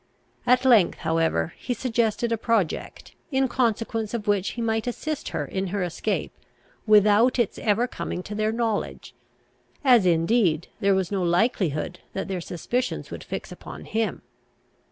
At length, however, he suggested a project, in consequence of which he might assist her in her escape, without its ever coming to their knowledge, as, indeed, there was no likelihood that their suspicions would fix upon him.